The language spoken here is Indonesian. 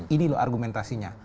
ini loh argumentasinya